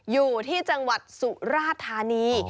อยู่ที่จังหวัดสุราธานี